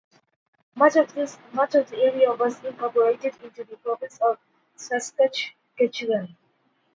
Much of the area was incorporated into the province of Saskatchewan.